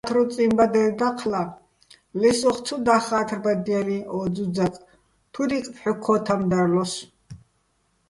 ხა́თრუწიჼ ბადრი დაჴლა, ლე სოხ ცო დახა́თრბადჲალიჼ ო ძუძაკ, თურიკ ფჰ̦უ-ქო́თამ დარლოსო̆.